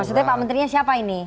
maksudnya pak menterinya siapa ini